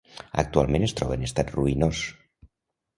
Actualment es troba en estat ruïnós.